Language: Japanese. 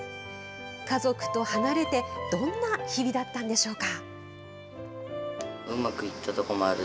家族と離れて、どんな日々だったんでしょうか。